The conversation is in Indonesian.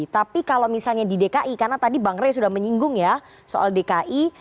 tapi kalau misalnya di dki karena tadi bang rey sudah menyinggung ya soal dki